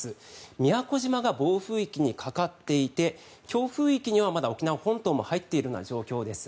宮古島が暴風域にかかっていて強風域にはまだ沖縄本島も入っている状況です。